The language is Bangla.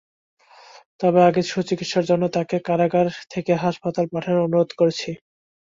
তবে আগে সুচিকিৎসার জন্য তাঁকে কারাগার থেকে হাসপাতালে পাঠানোর অনুরোধ করছি।